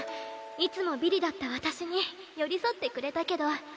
いつもビリだった私に寄り添ってくれたけど。